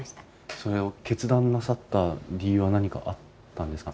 それを決断なさった理由は何かあったんですか？